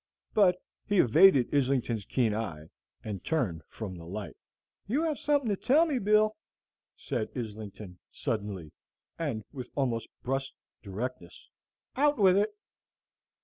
But he evaded Islington's keen eye, and turned from the light. "You have something to tell me, Bill," said Islington, suddenly, and with almost brusque directness; "out with it."